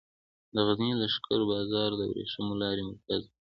د غزني لښکر بازار د ورېښمو لارې مرکز و